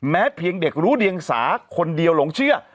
เพียงเด็กรู้เดียงสาคนเดียวหลงเชื่อ